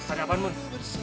ada apaan mun